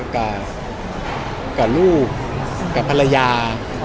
กับลูกกับภรรยา